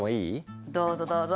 どうぞどうぞ。